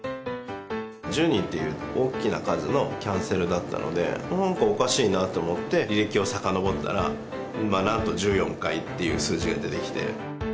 １０人っていう大きな数のキャンセルだったので、なんかおかしいなと思って、履歴をさかのぼったら、なんと１４回っていう数字が出てきて。